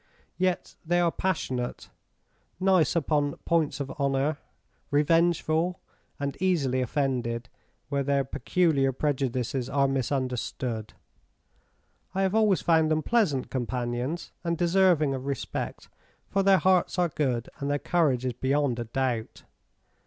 Yet they are passionate, nice upon points of honour, revengeful, and easily offended, where their peculiar prejudices are misunderstood. I have always found them pleasant companions, and deserving of respect, for their hearts are good, and their courage is beyond a doubt.